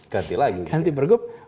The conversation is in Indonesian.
ganti lagi ganti pergub